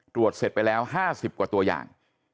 ตรวจเสร็จไปแล้ว๕๐กว่าตัวอย่าง